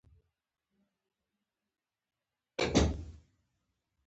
سپي د انسان له امرونو سره عادت کېږي.